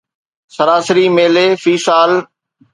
سراسري ميلي في سال